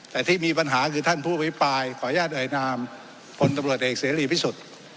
แต่ที่มีปัญหาชอบอภิปัยขออนุญาตแสรีพิสุธิ์